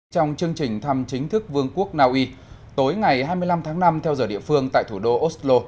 trong chương trình thăm chính thức vương quốc naui tối ngày hai mươi năm tháng năm theo giờ địa phương tại thủ đô oslo